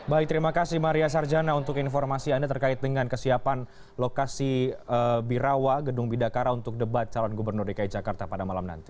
baik terima kasih maria sarjana untuk informasi anda terkait dengan kesiapan lokasi birawa gedung bidakara untuk debat calon gubernur dki jakarta pada malam nanti